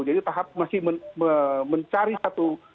jadi tahap masih mencari satu